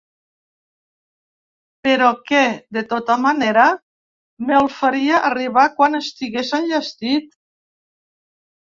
Però que, de tota manera, me’l faria arribar quan estigués enllestit.